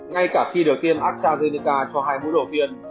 ngay cả khi được tiêm astrazeneca cho hai mũi đầu tiên